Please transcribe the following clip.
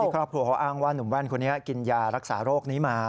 ครอบครัวเขาอ้างว่านุ่มแว่นคนนี้กินยารักษาโรคนี้มา